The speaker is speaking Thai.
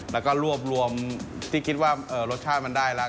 แล้วก็รวบรวมที่คิดว่ารสชาติมันได้แล้ว